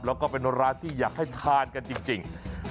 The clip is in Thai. แล้วก็เป็นร้านที่อยากให้ทานกันจริง